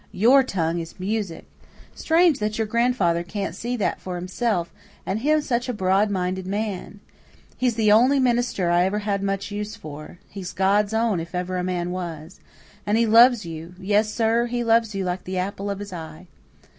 "YOUR tongue is music. Strange that your grandfather can't see that for himself, and him such a broad minded man! He's the only minister I ever had much use for. He's God's own if ever a man was. And he loves you yes, sir, he loves you like the apple of his eye."